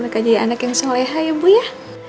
nekajai anak yang soleha ya bu ya